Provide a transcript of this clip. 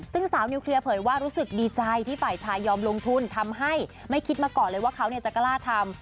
ซึ่งสาวนิวเคลียร์เผยว่ารู้สึกดีใจที่ฝ่ายชายยอมลงทุนทำให้ไม่คิดมาก่อนเลยว่าเขาจะกล้าทำ